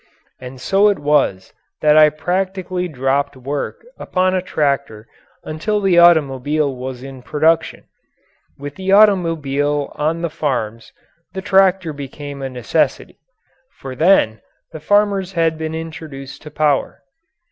And so it was that I practically dropped work upon a tractor until the automobile was in production. With the automobile on the farms, the tractor became a necessity. For then the farmers had been introduced to power.